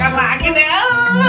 pengembangnya sampe kesini